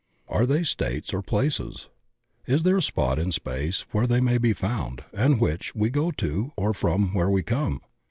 Are they states or places? Is there a spot in space where they may be found and to which we go or from where we come?